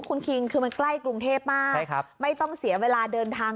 คุณคิงคือมันใกล้กรุงเทพมากไม่ต้องเสียเวลาเดินทาง